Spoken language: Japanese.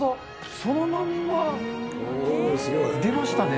そのまんま出ましたね。